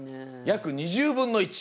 約２０分の１。